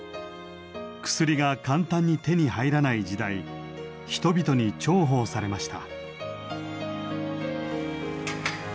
薬が簡単に手に入らない時代人々に重宝されました。